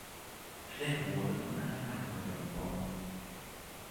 Claire wurde von einer Leihmutter geboren.